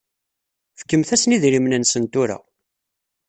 Fkemt-asen idrimen-nsen tura.